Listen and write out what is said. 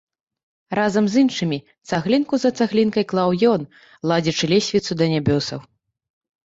Разам з іншымі цаглінку за цаглінкай клаў ён, ладзячы лесвіцу да нябёсаў.